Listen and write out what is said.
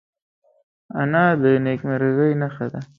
انا د نیکمرغۍ نښه ده